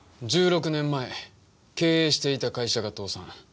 １６年前経営していた会社が倒産。